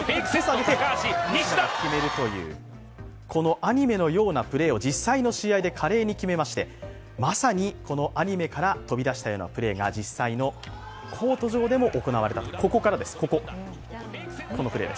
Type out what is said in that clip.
このアニメのようなプレーを実際の試合で華麗に決めましてまさにアニメから飛び出したようなプレーが実際のコート上でも行われたと。